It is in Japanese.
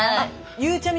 ゆうちゃみ